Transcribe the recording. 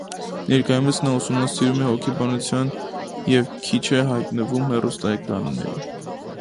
Ներկայումս նա ուսումնասիրում է հոգեբանություն, և քիչ է հայտնվում հեռուստաէկրաններին։